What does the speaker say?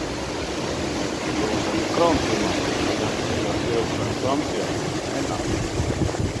Šovakar Makrons runās, tiks pieņemti stingrāki ierobežojumi Francijā. Gaidām...